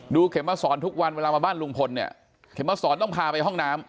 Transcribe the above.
เข็มมาสอนทุกวันเวลามาบ้านลุงพลเนี่ยเข็มมาสอนต้องพาไปห้องน้ำ